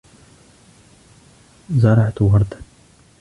زرعت ورداً.